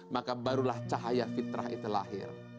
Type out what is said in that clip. maka barulah cahaya fitrah itu lahir